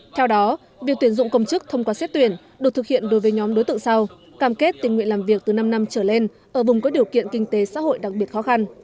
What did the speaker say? theo đó việc tuyển dụng công chức thông qua xét tuyển được thực hiện đối với nhóm đối tượng sau cam kết tình nguyện làm việc từ năm năm trở lên ở vùng có điều kiện kinh tế xã hội đặc biệt khó khăn